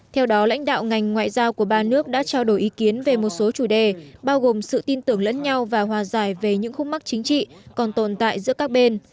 theo đó lãnh đạo ngành ngoại giao của ba nước đã trao đổi ý kiến về một số chủ đề bao gồm sự tin tưởng lẫn nhau và hòa giải về những khúc mắt chính trị còn tồn tại giữa các bên